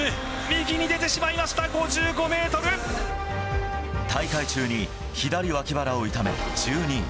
右に出てしまいました、大会中に左脇腹を痛め、１２位。